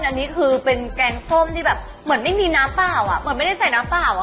อันนี้คือเป็นแกงส้มที่แบบเหมือนไม่มีน้ำเปล่าอ่ะเหมือนไม่ได้ใส่น้ำเปล่าอ่ะ